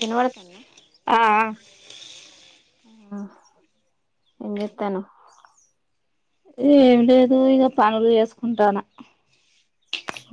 వినబడుతుందా ఆ ఆఏమ్ చెత్తన్నావ్ ఏం లేదు ఇక పనులు చేసుకుంటాన్న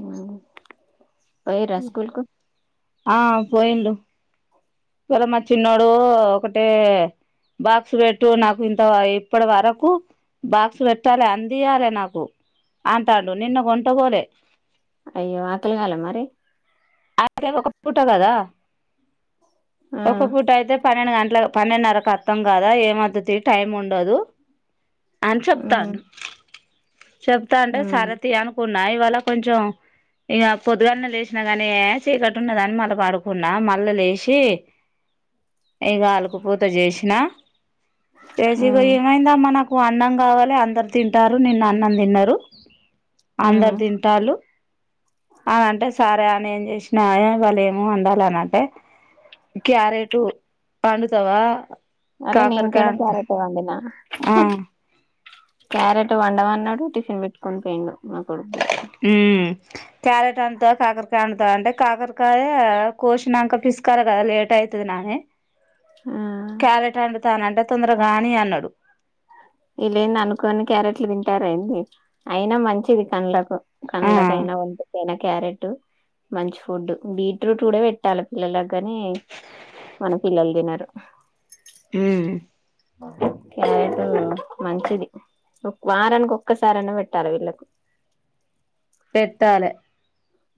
ఊ పోయిరా స్కూల్ కు ఆ పోయిండ్రు ఈ వల్ల మా చిన్నోడు ఒకటి బాక్స్ పెట్టు నాకు ఇంత ఇప్పటి వరకు బాక్స్ పెట్టాలి అందియాలి నాకు అంటాడు నిన్న కొంటపోలే అయ్యో ఆకలిగాలే మరి అయప్ప కేమీ ఒక పూట కదా ఆ ఒక పూట అయితే పన్నెండు గంటలకు పన్నెండున్నరకు అత్తం కదా ఏమీ వద్దుతి టైం ఉండదు అని ఉమ్ చెప్తండు చెప్తా అంటే ఉమ్ సరే తీ అనుకున్నా ఇవాళ కొంచెం ఇంక పొద్దుగాన్న లేచినా గానీ చీకట్టు ఉన్నదని మళ్ళా పడుకున్నా మళ్ళా లేచి ఇక ఆలుకు పూత చేసినా లేసి ఇగ ఉమ్ ఏమైంది అమ్మ నాకు వ అన్నం కావాలి అందరు తింటారు నిన్న అన్నం తిన్నారు ఉమ్ అందరు తింటాలు అని అంటే సరే అని ఏం చేసినా వాళ్ళ ఏమో వండాలనంటే క్యారేటు వండుతవా అరే నేను కూడా క్యారెట్ వండినా ఆ క్యారెట్ వండమాన్నాడు టిఫిన్ పెట్టుకొని పోయిండు నా కొడుకు కూడా ఉమ్ క్యారెట్ వండుతవ కాకరకాయ వండుతావ అంటే కాకరకాయ కోసినాక పిసుకాలే కదా లేట్ అయి అయతుంది నానీ ఆ క్యారేట్ వండుతానంటే తొందరగాని అన్నాడు వీళ్ళు ఏంది అనుకోని క్యారెట్లు తింటారు ఏంది అయినా మంచిది కళ్లకు ఆ కండ్లకయనా వంటికి అయినా క్యారెట్ మంచి ఫుడ్ బీట్రూట్ కూడా పెట్టాలి పిల్లలకు కాని మన పిల్లలు తినరు ఊ క్యారెట్ మంచిది వారానికి ఒక్కసారైన పెట్టాలి వీళ్లకు పెట్టాలే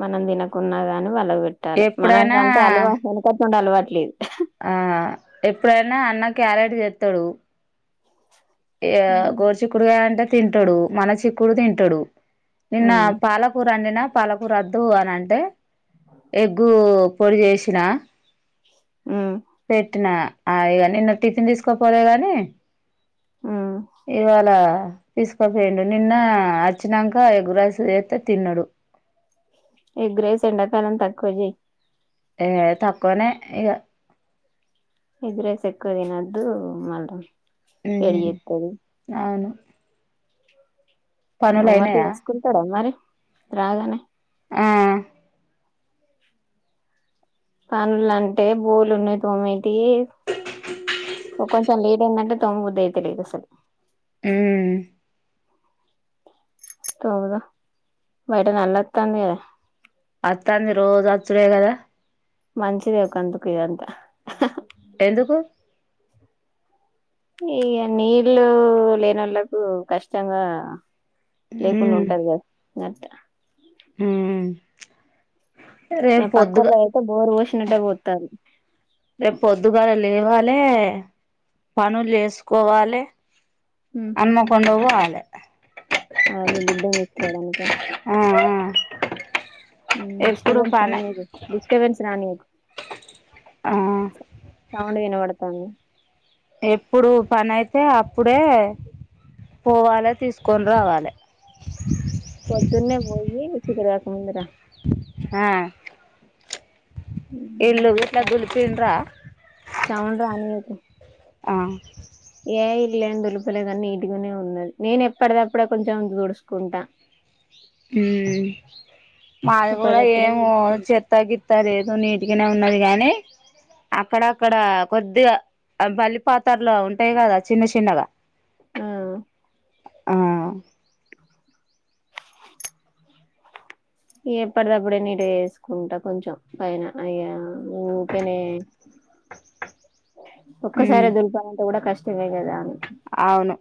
మనం తినకున్నా గాని వాళ్లకు పెట్టాలి మనకంటే ఎప్పుడైనా అలవా వెనకట్ట్ నుండి అలవాట్లేదు ఆ ఎప్పుడైనా అన్న క్యారెట్ ఏత్తడు ఇగా ఉమ్ గోర్ చిక్కుడుగాయ్ అంటే తింటడు మన చిక్కుడ్ తింటడూ నిన్నా పాలకూరండినా పాలకూర అద్దు అని అంటే ఎగ్గూ పొడి చేషినా ఉమ్ పెట్టిన అ ఇగా నిన్న టిఫిన్ తీసుకపోలే గాని ఉమ్ ఇవాళ తీసుకోపోయిండు నిన్నా అచ్చినాంక ఎగ్గ్ రైస్ చేస్తే తిన్నడు ఎగ్ రైస్ ఎండాకాలం తక్కువ జెయ్ ఏ తక్కువనే ఇగ ఎగ్ రైస్ ఎక్కువ తినద్దూ మల్ల మ్ ఔను హోమ్ వర్క్ పనులయినయా చేసుకుంటడ మరి రాగానే ఆ పన్లంటే బోల్ ఉన్నాయ్ తోమెటీయీ ఒ కొంచెం లేట్ అయిందంటే తోమబుద్ది అయితలేద్ అసల్ మ్ తోముదా బయట నల్లత్తాంది గదా ఆత్తాంది రోజ్ అచ్చుడే గదా మంచిదే ఒకందుకు ఇదంతా ఎందుకు ఈఅ నీళ్లూ లేనోళ్లలకూ కష్టంగా లేకున్నుంటాద్ గా గంతె మ్ రేపు ఇగ పొద్దుగా పక్కొల్లయ్ ఐతే బోరు వోషినట్టే పోతాంద్ రేప్ పొద్దుగాల లేవాలే పనుల్ ఏసుకోవాలే హన్మకొండ వోవాలే అదే బిడ్డ [inaudible] ఆ ఆ మ్ ఎప్పుడు డిస్టర్బెన్స్ పనే రానీయకు డిస్టర్బెన్స్ రానీయకు ఆ సౌండ్ వినవడతాంది ఎప్పుడు పని ఐతే అప్పుడే పోవాలే తీస్కొన్ రావాలే పొద్దున్నే వొయ్యి చీకట్ కాక ముందురా ఆ ఇల్లు గిట్లా దులిపింన్రా సౌండ్ రానియకు హా ఏ ఇల్లు ఏం దులుపలే కానీ నీట్గానే ఉన్నది నేను ఎప్పటిదప్పుడే కొంచెం దుడుచుకుంటా మ్ మాద్ గుడా ఎప్పటిదప్పుడే ఏం తుడుసుకుంటా చెత్తగిత్తా లేదు నీ గనే ఉన్నది గానీ అక్కడక్కడా కొద్దిగా అ బల్లి పాతర్ల ఉంటాయ్ గదా చిన్న చిన్నగా ఆ ఆ ఎప్పటిదప్పుడే నీట్గా చేసుకుంటా కొంచెం పైన అయ్యా ఊకనే హ్మ్ ఒక్కసారె దులపాల్ అంటె గుడ కష్టమే గదా అవును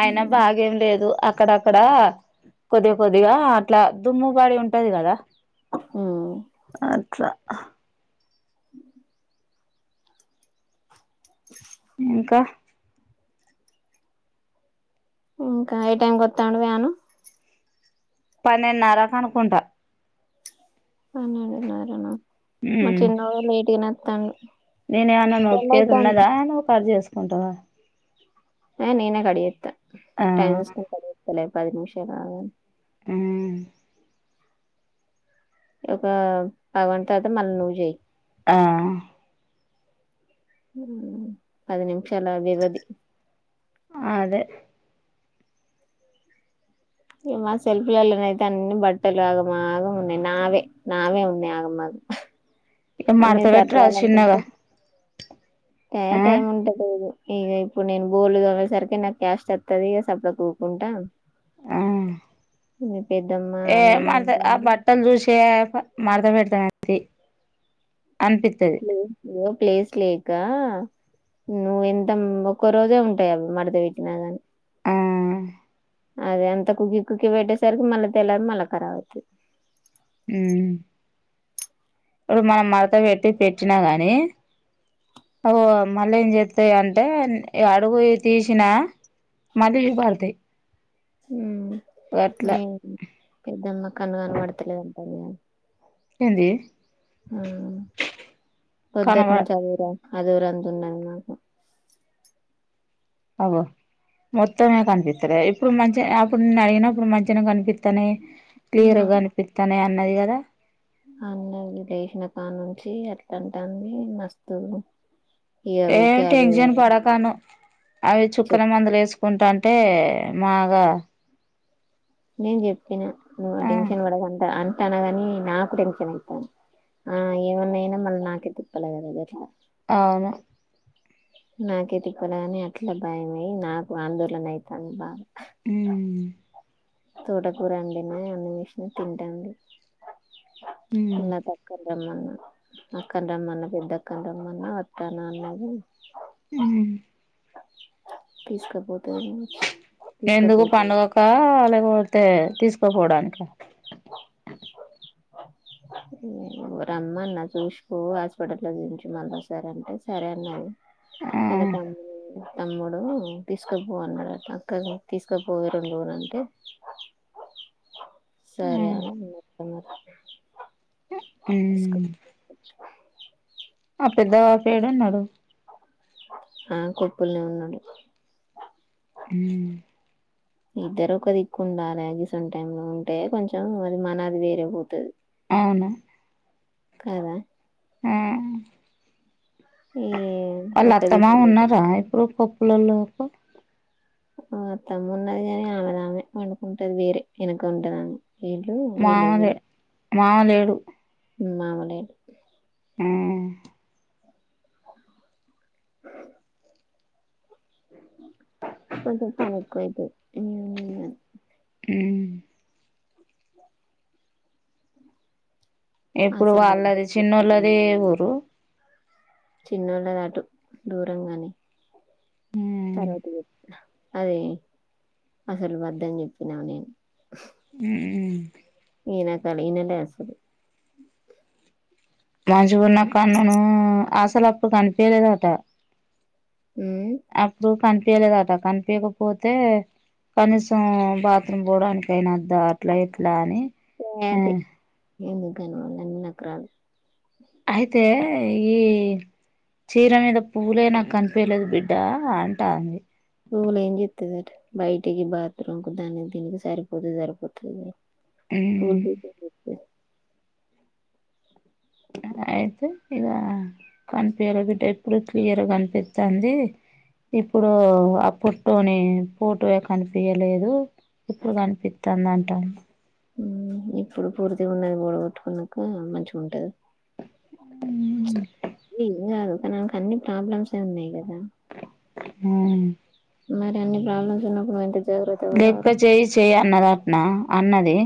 అయినా బాగేం లేదు అ అక్కడక్కడా కొద్దిగా కొద్దిగా అట్లా దుమ్ము పడి ఉంటది గదా మ్ ఇంకా ఇంకా ఏ టైంకి వస్తాండు మీ ఆయనా పన్నెండున్నర కు అనుకుంటా పనెడున్నారనా మ్మ్ నేను ఏమన్నా నోకేది రెండైతాంది ఉన్నదా నువ్వు పని చేసి కుంటవ ఆ నేనే కడియేతా ఆ టైం చూసుకొని కడియతలే పది నిమిషలు మ్మ్ ఒక పగవన్ తర్త మళ్ళ నువ్వు చేయి ఆ పది నిమిషాలభివధి అదే ఏమా సెల్ఫీలలోన అయితే అన్ని బట్టలు ఆగమాగం ఉన్నాయి నావే నావే ఉన్నాయి ఆగమాగం ఇగ అన్ని మడత పెట్టరాదు సర్దాలి చిన్నగా అనుటుంటే ఏ ఆ టైమ్ ఉంట లేదు ఇక ఇప్పుడు నేను గొడ్లు తోమే సరికి నాకు క్యాస్ట్ అస్తది ఇక సర్దక ఊరుకుంట ఆ పెద్దమ్మ ఏ అన్నం మా ఆ తింటుంది బట్టలు చూసా మార్ద పెడతామంది ప్లేస్ లో ప్లేస్ లేక్ ఇంకా నువ్వు ఎంత ఒక్కో రోజే ఉంటాయవి మడత పెట్టినా కాని ఆ అదే అంత కుకి కుక్కి పెట్టేసరికి మళ్ళీ తెలదు మళ్ళా ఖరా అవుతది మ్మ్ ఇప్పుడు మనం మరత పెట్టి పెట్టినా గాని ఓ మళ్ళీ ఏం చెప్తాయి అంటే అడుగువి తీసినా మళ్ళీ పడతాయి మ్మ్ అట్లా ఏం పెద్దమ్మ కన్న కన పడతలేదంటా ఏంది హ్మ్ కనబ పొద్దుటి నుంచి చదివిరా అదురంత ఉండాలి మాకు పావొ మొత్తమే కనిపిస్తంది ఇప్పుడు మంచి అప్పుడు నేను అడిగినప్పుడు మంచిగా కనిపిస్తానాయి క్లియర్ గా అనిపిస్తన్నాయి అన్నది కదా అన్న విదషిన కా నుంచి అట్లాంటి అంది మస్తు ఇగ ఏం ఊకే టెన్షన్ అదే పడకాను అవి చుక్కన చెప్ మందులు వేసుకు కుంటాంటే మాగా నేను చెప్పిన నువ్వు ఆ టెన్షన్ పడకుంట అ తనది అని నాకు టెన్షన్ అయితాంది ఆ ఏమన్నాయినా మళ్ళీ నాకే తిప్పలే కదట్లా అవును నాకే తిప్పలేగాని అట్లా భయమై నాకు ఆందోళన అయితాను బాగా మ్మ్ తోటకూరండినే అన్ని వేషిన తింటాండి ఉమ్ ఎన్న తక్కన అమ్మన్న అక్కనీ రామన్న పెద్ద అక్కనీ రామ్మన్న వతనా అన్నది మ్మ్ తీసుకపోతేయి ఎందుకు పడుగుక లేకపోతే తీసుకోపోవడానికా రమ్మన్న చూసుకో హాస్పిటల్ లో దించ మళ్ళా సర అంటే సరే అన్నది ఆ [unintelligible] తమ్ముడు తీసుకుపోన్నాడట అక్క తీసుకుపోయే రెండు ఊరు అంటే ఆ సరే అ [inaudible] ఇసుక్ ఉమ్ ఆ పెద్ద బాపేడు ఉన్నాడు ఆ కుప్పులనే ఉన్నాడు హు ఇద్దరు ఒక దిక్కు ఉండాలి గీసన్ టైంలో ఉంటే కొంచెం అది మన అది వేరే పోతుంది అవునా కదా ఆ ఈ వాళ్ళు ఒక అత్తమా దిక్కు లేదు ఉన్నారా ఇప్పుడు పో లోలకో అతమ్ము ఉన్నది గాని ఆమె రాలె వండుకుంటది వేరే ఈయనకు వండరాదు వీళ్ళు వీలది వీళ్ళ మామలేడు మామలేడు హు కొంచెం పని ఎక్కువైతది ఏమున్నది ఉమ్ ఇప్పుడు అసలు వాళ్ళది వద్దని చెప్పిన చిన్నోళ్ళది ఏ ఊరు చిన్నోళ్ళది అటు దూరంగాని ఉమ్ తర్వాత చెపుతా అది అసలు వద్దని చెప్పినా నేను హు ఇదాకా అడిగాన లే అసలు రాజుగున్న కన్నను అసలు అప్పుడు కనిపయలేదుట అప్పుడు కనిపయలేదట కనిపయకపోతే కనీసం బాత్రూమ్ పోడానికైనా వద్ద అట్లా ఇట్లా అని ఏ తీయి ఎందుకు గాని వాళ్ళు అన్ని నకరాలు అయితే ఈ చీర మీద పువ్వులే నాకు కనిపయలేదు బిడ్డ అంటా అంది పువ్వులు ఏం చేస్తదట బయటికి బాత్రూం కి దానికి దీనికి సరిపోతే సరిపోతగాని మ్మ్ పువ్వులు [inaudible] అయితే ఇగ కనిపియ్యలే బిడ్డ ఎప్పుడు క్లియర్ కనిపిస్తాంది ఇప్పుడు ఆ పొట్టోని ఫోటో వే కనిపయలేదు ఎప్పుడు కనిపిస్తుంది అంటాడు హు ఇప్పుడు పూర్తిగా ఉన్నది పోడగొట్టుకున్నాక మంచిగా ఉంటది [unintelligible] ఏం కాదు కానీ ఆమె కు అన్ని ప్రాబ్లమ్స్ ఉన్నాయి కదా అహ మరి అన్ని ప్రాబ్లమ్స్ ఉన్నప్పుడు వేట లెక్క చేయి చెయయి అన్నదాటన అన్నది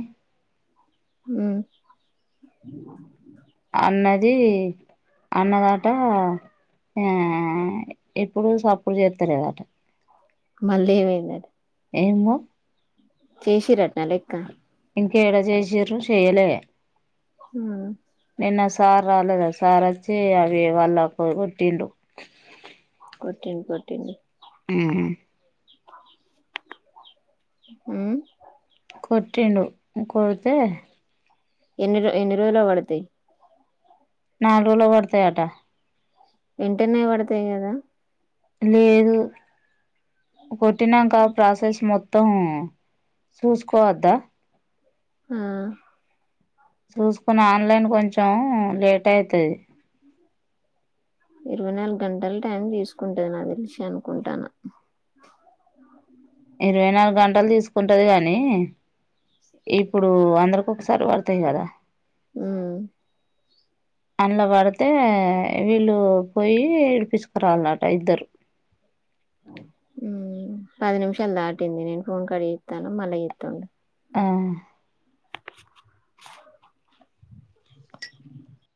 ఉహు అన్నది అన్నదాట ఆ ఎప్పుడు సప్పుడు చేస్తలేదట మళ్ళీ ఏమైందట ఏంమో చేసిరటన లెక్క ఇంకా ఎడ చేసిరు చేయ్యలే అహ నిన్న సార్ రాలేదు సార్ వచ్చి అవి వాళ్ళ కి కొట్టిండు కోటిండు కోటిండు ఉహు హు కొటిండు కొడితే ఎన్ని రో ఎన్ని రోజుల పడతాయి నారోల్ల పడతాయి అట ఎంటనే పడతాయి కదా లేదు కొట్టినంక ప్రాసస్ మొత్ తమ్ చూస్ కోవద్దా ఆ చూస్ కున్న ఆన్ లైన్ కొంచెం లేట్ అయితది ఇరవై నాల్ గంటలు టైం తీస్ కుంటది నాక్ తెలిసి అనుకుంటాన ఇరవై నాల్ గంటలు తీసుకుంటది కానీ ఇప్పుడు అందర్ కోక్ సారి పడతాయి కదా ఉమ్ [inaudible] అల్ల బడతే వీళ్ళు పోయి విడిపిస్ క్ రావాల్ నట ఇద్దరు [inaudible] హ్మ్ పది నిమిషాలు దాటింది నేను ఫోన్ కడ్ జేతనా మళ్ళా జేతుండు ఆ [inaudible] [inaudible]